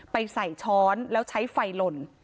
ไปใส่ช้อนแล้วใช้ไฟหล่น